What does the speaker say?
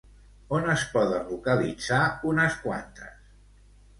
On es poden localitzar unes quantes?